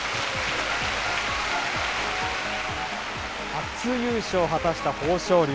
初優勝を果たした豊昇龍。